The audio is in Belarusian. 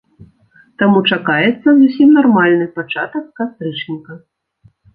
Таму чакаецца зусім нармальны пачатак кастрычніка.